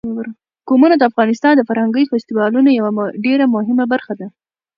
قومونه د افغانستان د فرهنګي فستیوالونو یوه ډېره مهمه برخه ده.